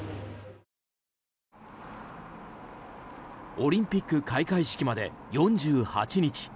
オリンピック開会式まで４８日。